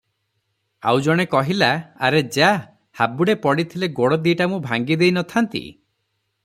ଆଉ ଜଣେ କହିଲା- "ଆରେ ଯା- ହାବୁଡ଼େ ପଡ଼ିଥିଲେ ଗୋଡ଼ ଦିଟା ମୁଁ ଭାଙ୍ଗି ଦେଇ ନଥାନ୍ତି?